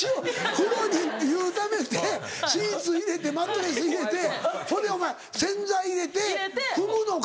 風呂に湯ためてシーツ入れてマットレス入れてほんでお前洗剤入れて踏むのか？